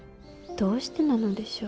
どうしてなのでしょう。